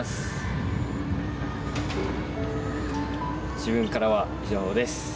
自分からは以上です。